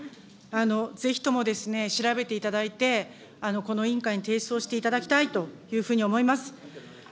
ぜひとも調べていただいて、この委員会に提出をしていただきたいというふうに思います。